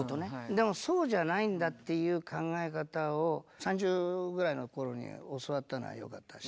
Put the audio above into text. でもそうじゃないんだっていう考え方を３０ぐらいの頃に教わったのはよかったです。